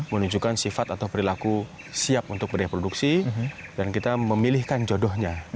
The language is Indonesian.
menunjukkan sifat atau perilaku siap untuk bereproduksi dan kita memilihkan jodohnya